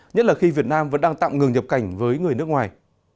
nhất là khi việt nam vẫn đang tạm ngừng nhập cảnh với người nước ngoài